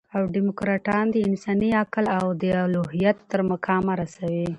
او ډيموکراټان د انساني عقل او د الوهیت تر مقامه رسوي.